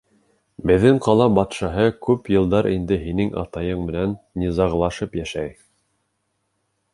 Беҙҙең ҡала батшаһы күп йылдар инде һинең атайың менән низағлашып йәшәй.